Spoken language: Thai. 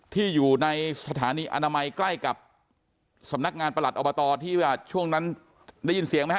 ที่อยู่ในสถานีอนามัยใกล้กับสำนักงานประหลัดอบตที่ว่าช่วงนั้นได้ยินเสียงไหมฮ